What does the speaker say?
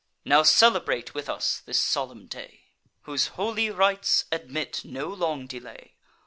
Now celebrate with us this solemn day, Whose holy rites admit no long delay.